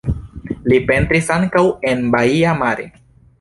Li pentris ankaŭ en Baia Mare.